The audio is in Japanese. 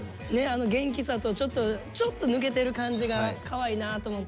あの元気さとちょっと抜けてる感じがかわいいなと思って。